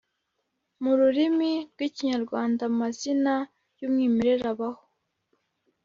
mu rurimi rw’Ikimyarwanda, amazina y’umwimerere abaho